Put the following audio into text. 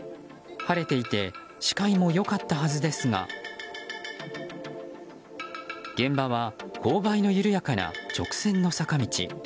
晴れていて視界も良かったはずですが現場は勾配の緩やかな直線の坂道。